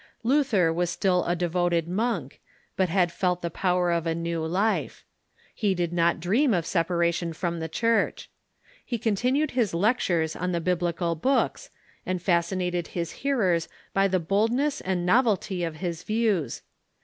Luther was still a devoted monk, but had felt the power of a new life. He did not dream of separation from the Church. He continued his lectures on the Biblical books, and Th6 Theses fascinated his hearers by the boldness and novelty of his views.